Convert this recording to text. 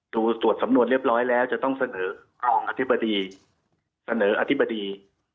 ดูตรวจสำนวนเรียบร้อยแล้วจะต้องเสนอรองอธิบดีเสนออธิบดี